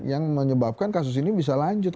yang menyebabkan kasus ini bisa lanjut